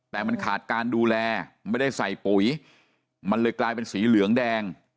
แต่มันขาดการดูแลไม่ได้ใส่ปุ๋ยมันเลยกลายเป็นสีเหลืองแดง